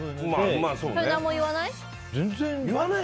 何も言わない？